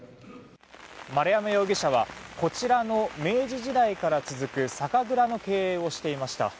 丸山容疑者はこちらの明治時代から続く酒蔵の経営をしていました。